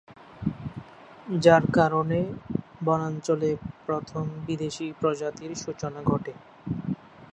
যার কারণে বনাঞ্চলে প্রথম বিদেশি প্রজাতির সূচনা ঘটে।